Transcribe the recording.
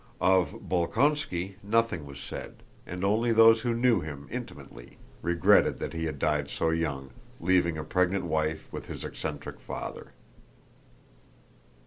Of Bolkónski, nothing was said, and only those who knew him intimately regretted that he had died so young, leaving a pregnant wife with his eccentric father.